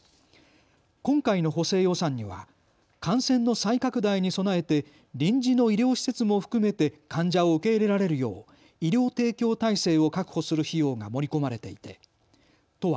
今回の補正予算には感染の再拡大に備えて臨時の医療施設も含めて患者を受け入れられるよう医療提供体制を確保する費用が盛り込まれていて都は